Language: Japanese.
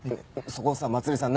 そこをさまつりさん